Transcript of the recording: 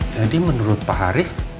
jadi menurut pak haris